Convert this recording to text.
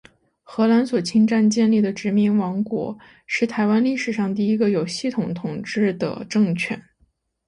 荷兰所侵占建立的殖民王国，是台湾历史上第一个有系统统治的政权。